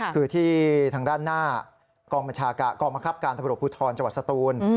คือที่ทางด้านหน้ากองบังคับการตำรวจภูทรจังหวัดสตูน